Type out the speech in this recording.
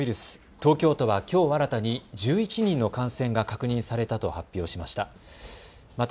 東京都はきょう新たに１１人の感染が確認されたと発表しました。